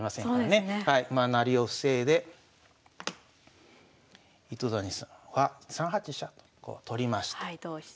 まあ成りを防いで糸谷さんは３八飛車とこう取りました。